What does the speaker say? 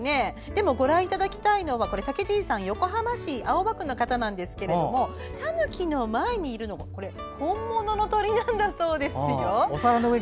でもご覧いただきたいのはたけじいさんは横浜市青葉区の方なんですがたぬきの前にいるのが本物の鳥なんだそうです。